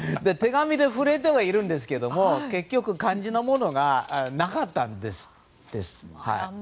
手紙で触れてはいるんですけど結局、肝心のものがなかったんですって。